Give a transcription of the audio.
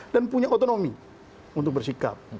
dan punya otonomi untuk bersikap